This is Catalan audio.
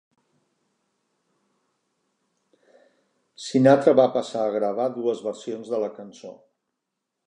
Sinatra va passar a gravar dues versions de la cançó.